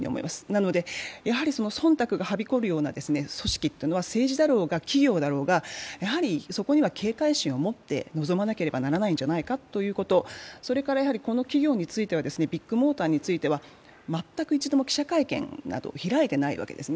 なので、やはり忖度がはびこるような組織というのは政治だろうが企業だろうがそこには警戒心を持って臨まなければならないんじゃないかということ、それから、この企業ビッグモーターについては全く一度も記者会見など開いてないわけです。